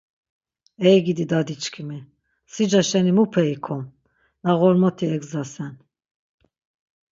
Ey gidi dadiçkimi, sica şeni mupe ikom, na ğormotik egzdasen?